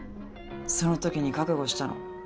そのときに覚悟したの。